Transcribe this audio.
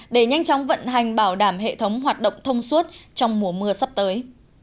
để nhanh chóng vận hành bảo đảm hệ thống hoạt động thông suốt trong mùa mưa sắp tới